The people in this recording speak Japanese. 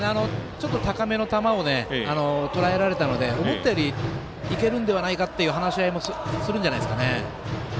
高めの球をとらえられたので、思ったよりいけるのではないかという話し合いもするのではないでしょうか。